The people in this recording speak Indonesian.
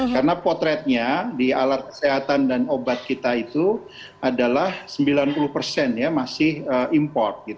karena potretnya di alat kesehatan dan obat kita itu adalah sembilan puluh persen masih impor